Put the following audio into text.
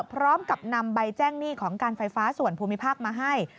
พร้อมกับนำใบแจ้งหนี้ของการไฟฟ้าส่วนภูมิภาคมาให้